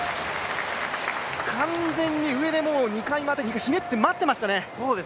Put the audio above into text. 完全に上でもう、２回ひねって待ってましたね。